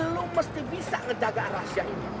lo mesti bisa ngejagaan rahasia ini